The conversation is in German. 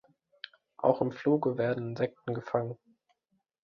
Auch im Fluge werden Insekten gefangen.